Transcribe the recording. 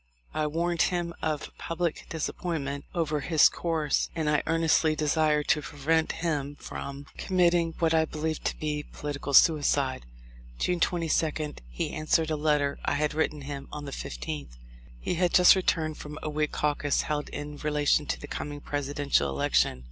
I warned him of public disappointment over his course, and I earnestly desired to prevent him from 284 THE LIFE 0F LINCOLN. committing what I believed to be political suicide. June 22d he answered a letter I had written him on the 15th. He had just returned from a Whig caucus held in relation to the coming Presidential election.